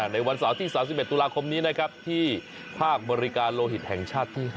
ในวันเสาร์ที่๓๑ตุลาคมนี้นะครับที่ภาคบริการโลหิตแห่งชาติที่๕